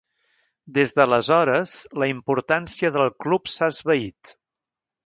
Des d'aleshores, la importància del club s'ha esvaït.